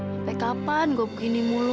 sampai kapan gue begini mulu